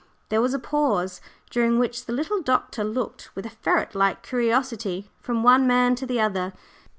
There was a pause, during which the little doctor looked with a ferret like curiosity from one man to the other.